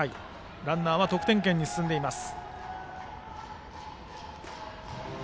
ランナーは得点圏に進んでいます。